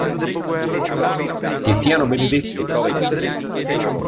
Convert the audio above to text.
Che siano benedetti!